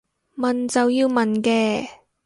問就要問嘅